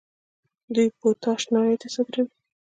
دوی پوټاش نړۍ ته صادروي.